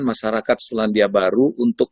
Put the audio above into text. masyarakat selandia baru untuk